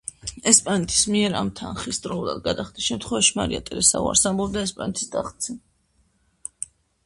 ესპანეთის მიერ ამ თანხის დროულად გადახდის შემთხვევაში მარია ტერესა უარს ამბობდა ესპანეთის ტახტზე.